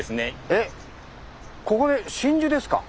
えっここで真珠ですか？